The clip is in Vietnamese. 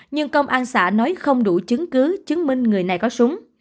nhưng công an xã nói không đủ chứng cứ chứng minh người này có súng